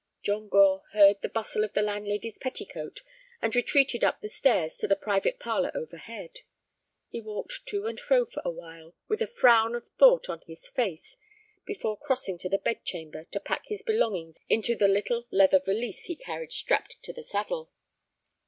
John Gore heard the bustle of the landlady's petticoat, and retreated up the stairs to the private parlor overhead. He walked to and fro for a while, with a frown of thought on his face, before crossing to the bedchamber to pack his belongings into the little leather valise he carried strapped to the saddle.